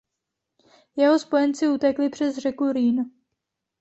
Jeho spojenci utekli přes řeku Rýn.